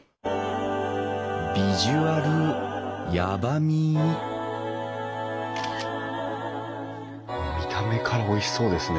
ビジュアルやばみ見た目からおいしそうですね。